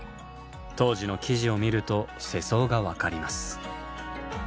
当時の記事を見ると世相が分かります。